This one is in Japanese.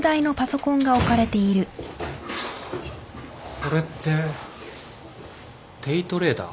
これってデイトレーダー？